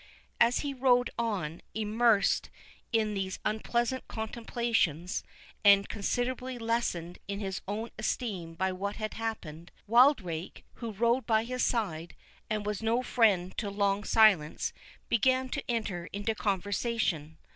As he rode on, immersed in these unpleasant contemplations, and considerably lessened in his own esteem by what had happened, Wildrake, who rode by his side, and was no friend to long silence, began to enter into conversation.